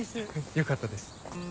よかったです。